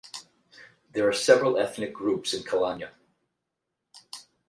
There are several ethnic groups in Kalyana.